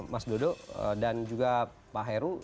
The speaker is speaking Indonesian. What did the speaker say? mas dodo dan juga pak heru